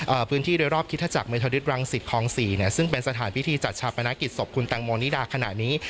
พื้นที่โดยรอบคิตจักรเมธาริสรังสิตคลองสี่เนี้ยซึ่งเป็นสถานพิธีจัดชาปนกิจศพคุณแตงโมนิดาขณะนี้